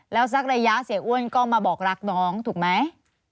แล้วสักระยะเสียอ้วนก็มาบอกรักน้องถูกไหม